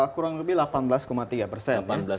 kurang lebih delapan belas tiga persen